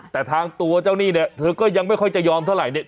แต่ทางตัวเจ้าหนี้เนี่ยเธอก็ยังไม่ค่อยจะยอมเท่าไหร่เนี่ย